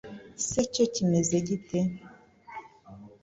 se cyo kimeze gite?